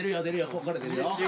こっから出るよ。